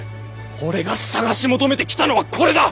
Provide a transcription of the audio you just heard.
俺が探し求めてきたのはこれだ！